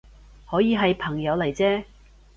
可以係朋友嚟啫